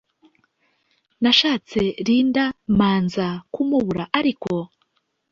Nashatse Linda manza kumubura ariko